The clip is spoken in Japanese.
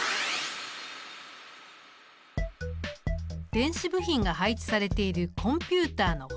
電子部品が配置されているコンピュータの本体。